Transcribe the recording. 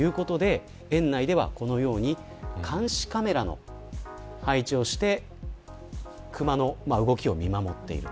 園内では、このように監視カメラの配置をしてクマの動きを見守っている。